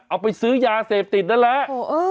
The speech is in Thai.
เอาไปซื้อยาเสพติดนั่นแหละ